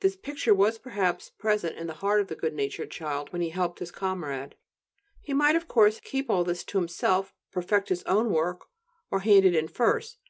This picture was perhaps present in the heart of the good natured child when he helped his comrade. He might, of course, keep all this to himself, perfect his own work, or hand it in first.